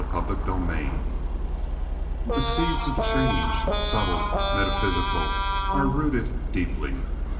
Chapter XVIII The seeds of change—subtle, metaphysical—are rooted deeply.